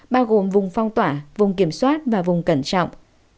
bao gồm vùng phong tỏa vùng kiểm soát và vùng cẩn trọng